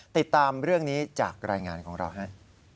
ติดตามเรื่องนี้จากรายงานของเราฮะ